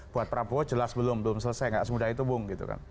buat prabowo jelas belum belum selesai gak semudah itu bung